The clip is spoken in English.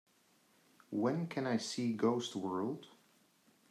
When can I see Ghost World